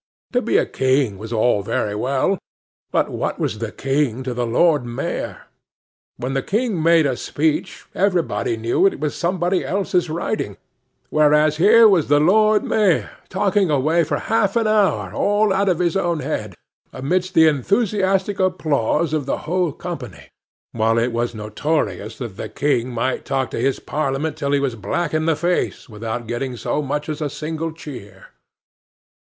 To be a King was all very well; but what was the King to the Lord Mayor! When the King made a speech, everybody knew it was somebody else's writing; whereas here was the Lord Mayor, talking away for half an hour all out of his own head—amidst the enthusiastic applause of the whole company, while it was notorious that the King might talk to his parliament till he was black in the face without getting so much as a single cheer.